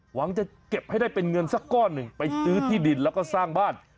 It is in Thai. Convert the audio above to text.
หวังจะเก็บให้ได้เป็นเงินสักก้อนหนึ่งไปซื้อที่ดินแล้วก็สร้างบ้าน